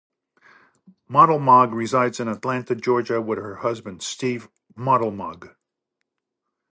Moddelmog resides in Atlanta, Georgia with her husband, Steve Moddelmog.